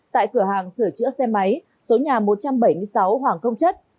tại cửa hàng sửa chữa xe máy số nhà một trăm bảy mươi sáu hoàng công chất